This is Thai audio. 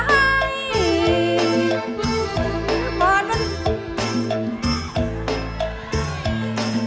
มันม่อนมัน